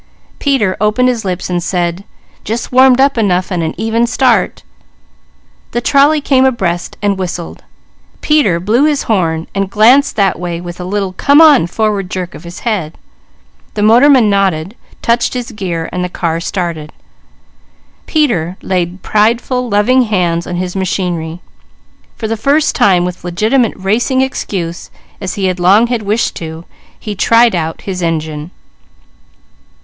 Peter opened his lips to say: "Just warmed up enough, and an even start!" The trolley came abreast and whistled. Peter blew his horn, glancing that way with a little "come on" forward jerk of his head. The motorman nodded, touched his gear and the car started. Peter laid prideful, loving hands on his machinery; for the first time with legitimate racing excuse, as he long had wished to, he tried out his engine.